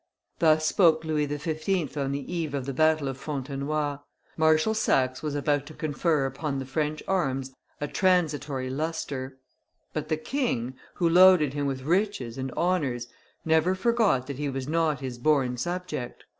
Thus spoke Louis XV. on the eve of the battle of Fontenoy Marshal Saxe was about to confer upon the French arms a transitory lustre; but the king, who loaded him with riches and honors, never forgot that he was not his born subject.